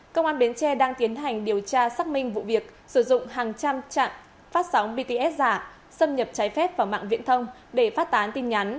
công an bến tre đang tiến hành điều tra xác minh vụ việc sử dụng hàng trăm trạm phát sóng bts giả xâm nhập trái phép vào mạng viễn thông để phát tán tin nhắn